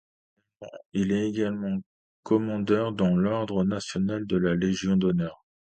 Il est également Commandeur dans l'ordre national de la Légion d'honneur.